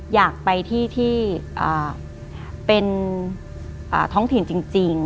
อยากไปที่ที่เป็นท้องถิ่นจริง